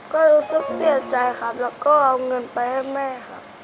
ก็รู้สึกเสียใจครับแล้วก็เอาเงินไปให้แม่ครับ